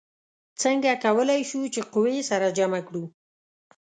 څنګه کولی شو چې قوې سره جمع کړو؟